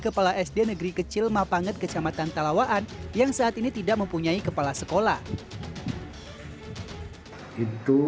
kepala sd negeri kecil mapanget kecamatan talawaan yang saat ini tidak mempunyai kepala sekolah itu